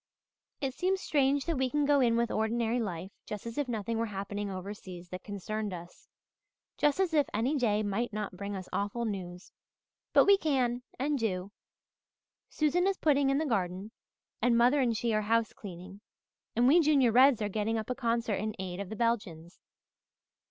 "It seems strange that we can go in with ordinary life just as if nothing were happening overseas that concerned us, just as if any day might not bring us awful news. But we can and do. Susan is putting in the garden, and mother and she are housecleaning, and we Junior Reds are getting up a concert in aid of the Belgians.